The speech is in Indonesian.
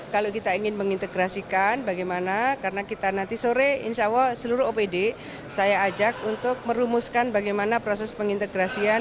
kalau kita ingin mengintegrasikan bagaimana karena kita nanti sore insya allah seluruh opd saya ajak untuk merumuskan bagaimana proses pengintegrasian